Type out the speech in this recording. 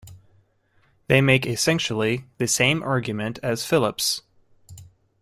They make essentially the same argument as Phillips.